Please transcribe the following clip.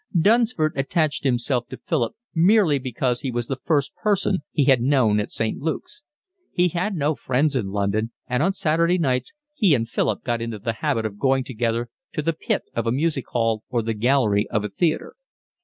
Dunsford attached himself to Philip merely because he was the first person he had known at St. Luke's. He had no friends in London, and on Saturday nights he and Philip got into the habit of going together to the pit of a music hall or the gallery of a theatre.